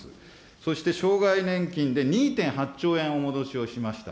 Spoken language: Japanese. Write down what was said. そして障害年金で２．８兆円をお戻しをしました。